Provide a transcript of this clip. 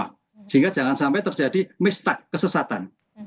sehingga jangan sampai terjadi mistak kesesatan